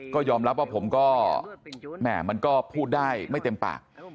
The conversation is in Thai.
ก็ยอมรับว่ามันก็พูดได้ไม่เต็มปาก